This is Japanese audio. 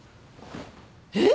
えっ！？